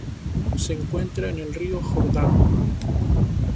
Se encuentra en el río Jordán.